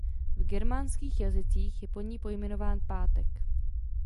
V germánských jazycích je po ní pojmenován pátek.